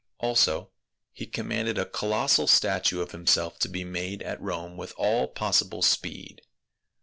Also he com manded a colossal statue of himself to be made at Rome with all possible speed.